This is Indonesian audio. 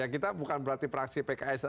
kita bukan berarti praksi pks saja